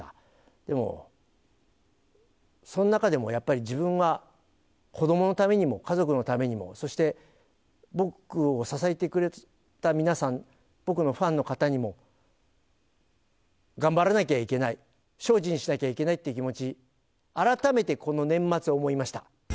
でも、その中でもやっぱり自分は子どものためにも、家族のためにも、そして僕を支えてくれた皆さん、僕のファンの方のためにも、頑張らなければいけない、精進しなきゃいけないという気持ち、改めてこの年末、思いました。